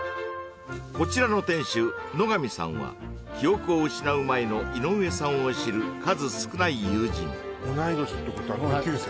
こちらの店主野上さんは記憶を失う前の井上さんを知る数少ない友人同い年ってことは同級生？